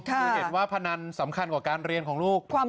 คือเห็นว่าพนันสำคัญกว่าการเรียนของลูก